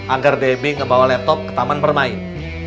agar debbie ngebawa laptop ke taman bermain